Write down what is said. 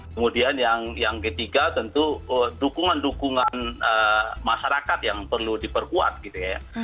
kemudian yang ketiga tentu dukungan dukungan masyarakat yang perlu diperkuat gitu ya